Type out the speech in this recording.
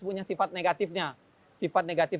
punya sifat negatifnya sifat negatif